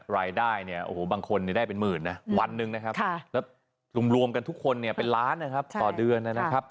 รายได้บางคนได้เป็นหมื่นวันหนึ่งและรวมกันทุกคนเป็นล้านต่อเดือน